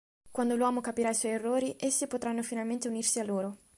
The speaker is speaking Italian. Quando l'uomo capirà i suoi errori, essi potranno finalmente unirsi a loro.